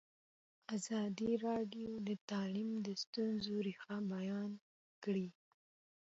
ازادي راډیو د تعلیم د ستونزو رېښه بیان کړې.